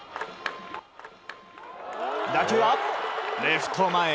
打球は、レフト前へ。